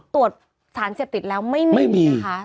ตรวจสารเสพติดแล้วไม่มีนะคะ